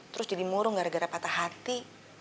terus jadi murung gara gara patah hati